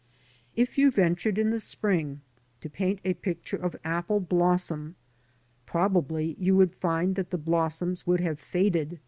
If you ventured in the spring to paint a picture of apple blossom, probably you would find that the blossoms would have faded before the picture was done.